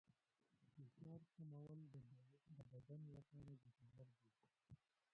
فشار کمول د بدن لپاره ګټور دي.